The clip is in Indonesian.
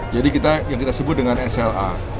jadi yang kita sebut dengan sla